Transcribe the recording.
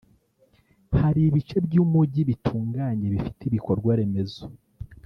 Hari ibice by’umujyi bitunganye bifite ibikorwa remezo